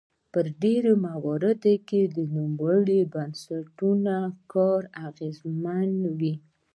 په ډیری مواردو کې د نوموړو بنسټونو کار اغیزمن وي.